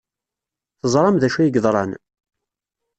Teẓram d acu ay yeḍran?